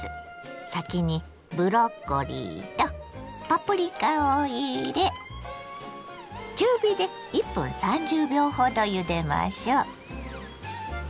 先にブロッコリーとパプリカを入れ中火で１分３０秒ほどゆでましょ。